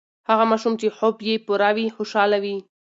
هغه ماشوم چې خوب یې پوره وي، خوشاله وي.